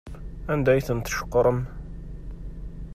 Anda ay tent-tceqrem?